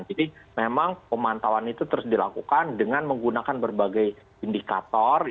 jadi memang pemantauan itu terus dilakukan dengan menggunakan berbagai indikator